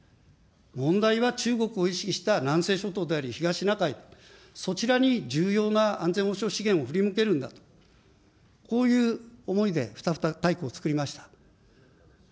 問題は中国を意識した南西諸島であり、東シナ海、そちらに重要な安全保障資源を振り向けるんだと、こういう思いで大綱を作りました。